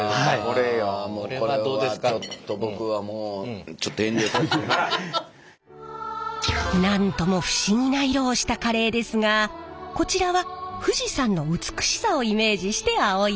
これはちょっと僕はもうちょっとなんとも不思議な色をしたカレーですがこちらは富士山の美しさをイメージして青色に。